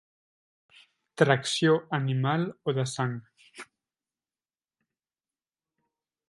Tracció animal o de sang.